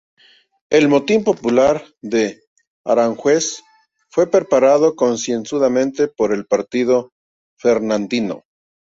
El motín "popular" de Aranjuez fue preparado concienzudamente por el "partido fernandino".